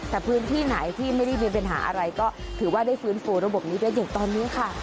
แต่พื้นที่ไหนที่ไม่ได้มีปัญหาอะไรก็ถือว่าได้ฟื้นฟูระบบนี้ได้อย่างตอนนี้ค่ะ